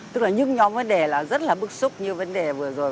tức là những nhóm vấn đề là rất là bức xúc như vấn đề vừa rồi